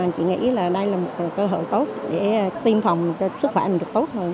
chị nghĩ là đây là một cơ hội tốt để tiêm phòng cho sức khỏe mình được tốt hơn